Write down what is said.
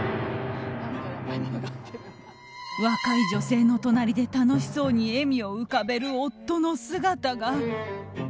若い女性の隣で、楽しそうに笑みを浮かべる夫の姿が。